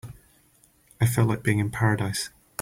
I felt like being in paradise.